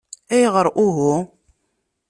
Ayɣer uhu?